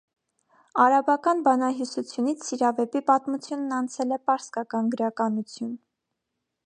Արաբական բանահյուսությունից սիրավեպի պատմությունն անցել է պարսկական գրականություն։